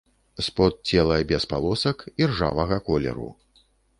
Спод цела без палосак, іржавага колеру.